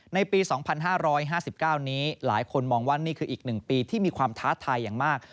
ในปี๒๕๕๙นี้หลายคนมองว่านี่คืออีก๑ปีที่มีความท้าทายอย่างมาก